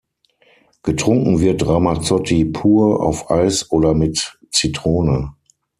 Getrunken wird Ramazzotti pur, auf Eis oder mit Zitrone.